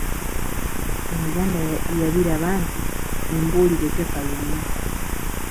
Omuganda yabiraba nti, "Embuulire tefa yonna"